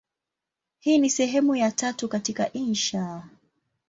Hii ni sehemu ya tatu katika insha.